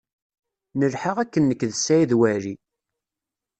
Nelḥa akken nekk d Saɛid Waɛli.